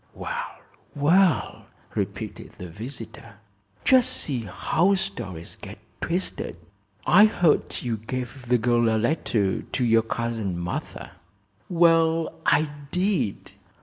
"Well, well!" repeated the visitor. "Just see how stories get twisted. I heard you gave the girl a letter to your cousin Martha." "Well, I did.